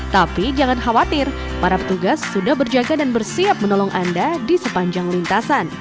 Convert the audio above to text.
tapi jangan khawatir para petugas sudah berjaga dan bersiap menolong anda di sepanjang lintasan